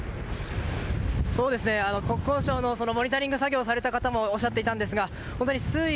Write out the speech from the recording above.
国交省のモニタリング作業をされた方もおっしゃっていたんですが水位、